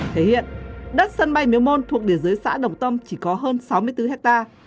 thể hiện đất sân bay miếu môn thuộc địa dưới xã đồng tâm chỉ có hơn sáu mươi bốn hectare